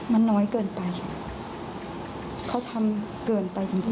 มันน้อยเกินไปเขาทำเกินไปจริงจริง